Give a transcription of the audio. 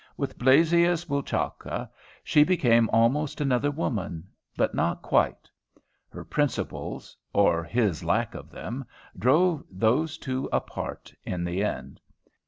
With Blasius Bouchalka she became almost another woman, but not quite. Her "principles," or his lack of them, drove those two apart in the end.